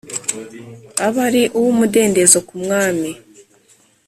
aba ari uw umudendezo ku Mwami